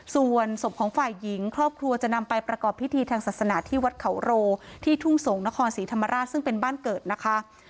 ส่วนศพของฝ่ายหญิงครอบครัวจะนำไปประกอบพิธีทางศาสนาที่วัดเขาโรที่ทุ่งสงศ์นครศรีธรรมราชซึ่งเป็นบ้านเกิดนะคะ